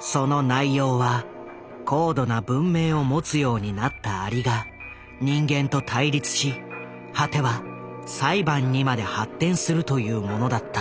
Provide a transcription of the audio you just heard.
その内容は高度な文明を持つようになった蟻が人間と対立し果ては裁判にまで発展するというものだった。